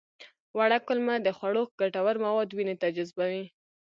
وړه کولمه د خوړو ګټور مواد وینې ته جذبوي